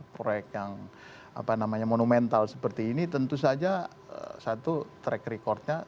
proyek yang monumental seperti ini tentu saja satu track recordnya